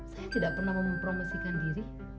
saya tidak pernah mempromosikan diri